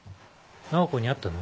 菜穂子に会ったの？